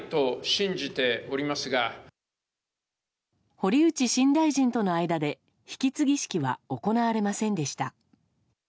堀内新大臣との間で引き継ぎ式は行われませんでした。